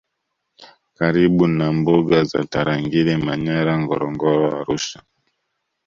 karibu na mbuga za Tarangire Manyara Ngorongoro Arusha